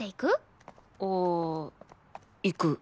あー行く。